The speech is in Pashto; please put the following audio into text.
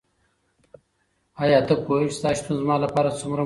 ایا ته پوهېږې چې ستا شتون زما لپاره څومره مهم دی؟